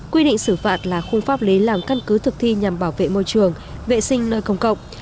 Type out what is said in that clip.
quy định xử phạt là khung pháp lý làm căn cứ thực thi nhằm bảo vệ môi trường vệ sinh nơi công cộng